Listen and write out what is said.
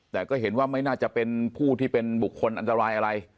แต่ก็เห็นว่าไม่น่าจะเป็นผู้ที่เป็นบุคคลอันตรายอะไร